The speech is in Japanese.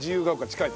近い。